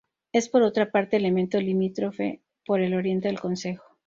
Es por otra parte elemento limítrofe por el oriente del concejo.